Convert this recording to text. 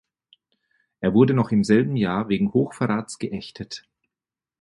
Er wurde noch im selben Jahr wegen Hochverrats geächtet.